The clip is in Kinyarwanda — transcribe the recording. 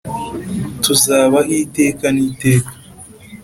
tuzabaho iteka niteka